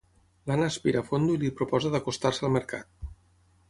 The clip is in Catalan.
L'Anna aspira fondo i li proposa d'acostar-se al mercat.